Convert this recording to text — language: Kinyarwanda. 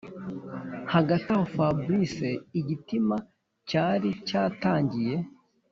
hagati aho fabric igitima cyari cyatangiye